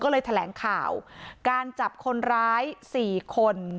ก็เลยแถลงข่าวการจับคนร้าย๔คน